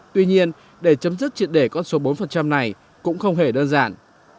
tuy nhiên để chấm dứt triển đề con số bốn này cũng không hề đơn giản